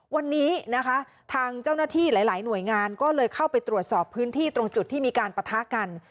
วันนี้นะคะทางเจ้าหน้าที่หลายหน่วยงานก็เลยเข้าไปตรวจสอบพื้นที่ตรงจุดที่มีการปะทะกัน